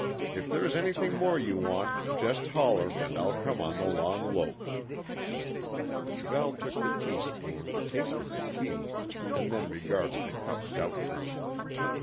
If there's anything more you want, just holler, and I'll come on the long lope." Val took up the teaspoon, tasted the tea, and then regarded the cup doubtfully.